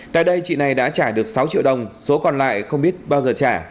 tại đây chị này đã trả được sáu triệu đồng số còn lại không biết bao giờ trả